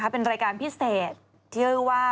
เป็นรายการพิเศษชื่อว่า